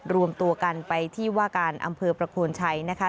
รวมตัวกันไปที่ว่าการอำเภอประโคนชัยนะคะ